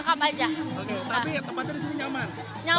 tapi tempatnya disini nyaman